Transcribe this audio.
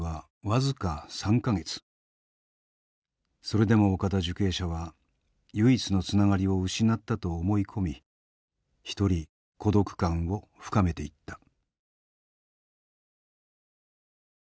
それでも岡田受刑者は唯一のつながりを失ったと思い込み一人孤独感を深めていった。